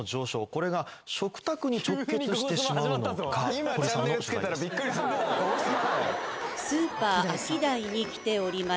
これが食卓に直結してしまうのか堀さんの取材ですスーパーアキダイに来ております